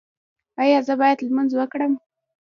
ایا زه باید لمونځ وکړم؟